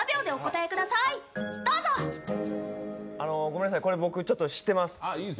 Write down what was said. ごめんなさい、僕、ちょっと知ってます。